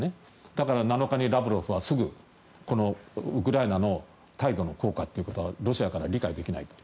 だから７日にラブロフはすぐウクライナの態度の硬化ということはロシアから理解できないと。